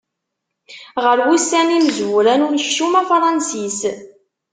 Ɣer wussan imezwura n unekcum afransis.